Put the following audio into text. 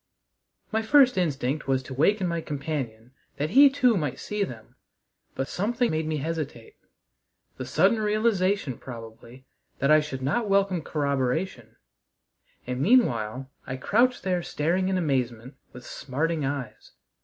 My first instinct was to waken my companion that he too might see them, but something made me hesitate the sudden realization, probably, that I should not welcome corroboration; and meanwhile I crouched there staring in amazement with smarting eyes.